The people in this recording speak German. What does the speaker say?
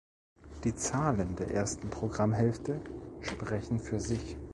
Die Zahlen der ersten Programmhälfte sprechen für sich.